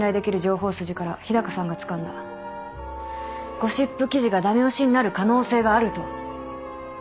ゴシップ記事が駄目押しになる可能性があると。